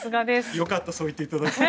よかったそう言っていただけて。